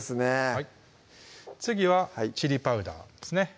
はい次はチリパウダーですね